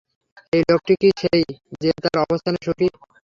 এই লোকটি কি সেই যে তার অবস্থানে সুখি?